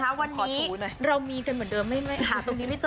ขอถูหน่อยวันนี้เรามีกันเหมือนเดิมไหมไหม